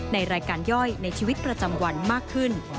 ในรายการย่อยในชีวิตประจำวันมากขึ้น